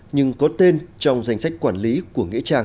nhưng có tên trong danh sách quản lý của nghĩa trang